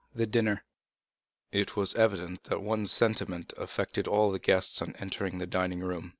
The Dinner It was evident that one sentiment affected all the guests on entering the dining room.